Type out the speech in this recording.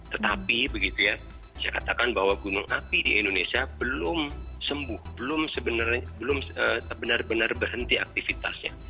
tetapi begitu ya saya katakan bahwa gunung api di indonesia belum sembuh belum benar benar berhenti aktivitasnya